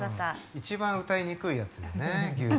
一番歌いにくいやつだよね牛乳。